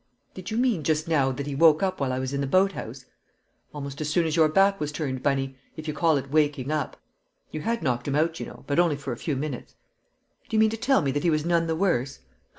"Did you mean just now that he woke up while I was in the boathouse?" "Almost as soon as your back was turned, Bunny if you call it waking up. You had knocked him out, you know, but only for a few minutes." "Do you mean to tell me that he was none the worse?"